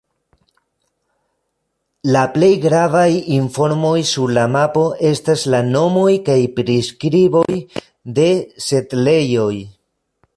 La plej gravaj informoj sur la mapo estas la nomoj kaj priskriboj de setlejoj.